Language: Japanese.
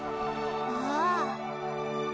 ああ。